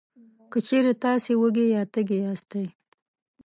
که چېرې تاسې وږي یا تږي یاستی،